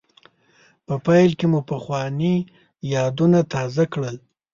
په پیل کې مو پخواني یادونه تازه کړل.